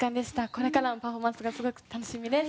これからのパフォーマンスがすごく楽しみです。